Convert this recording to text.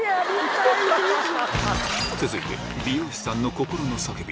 続いて美容師さんの心の叫び